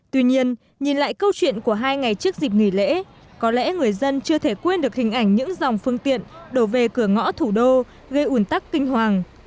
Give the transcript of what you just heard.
tuy nhiên nhìn lại câu chuyện của hai ngày trước dịp nghỉ lễ có lẽ người dân chưa thể quên được hình ảnh những dòng phương tiện đổ về cửa ngõ thủ đô gây ủn tắc kinh hoàng